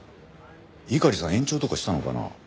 猪狩さん延長とかしたのかなあ。